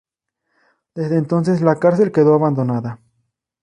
Desde entonces la cárcel quedó abandonada.